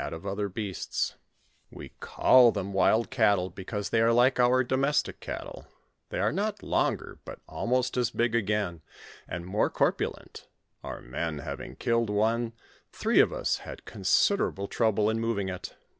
19 call them wild cattle, because they are like onr domestic cattle ; they are not longer, but almost as big again, and more corpulent ; our men having killed one, three of us had con siderable trouble in moving it.